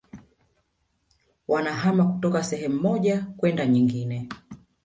wanahama kutoka sehemu moja kwenda nyingine